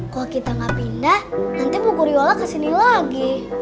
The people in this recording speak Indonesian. kalau kita nggak pindah nanti bu guriola kesini lagi